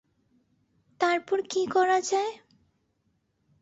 তার পর কী করা যায়?